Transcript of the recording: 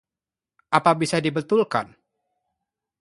Apa bisa dibetulkan?